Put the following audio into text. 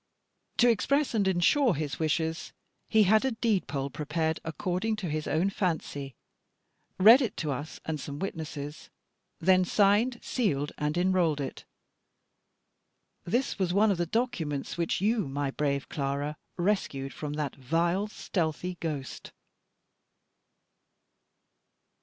To express and ensure his wishes, he had a deed poll prepared according to his own fancy, read it to us and some witnesses, then signed, sealed, and enrolled it. This was one of the documents which you, my brave Clara, rescued from that vile, stealthy ghost.